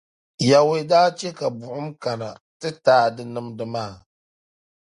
Yawɛ daa chɛ ka buɣim kana ti taai di nimdi maa.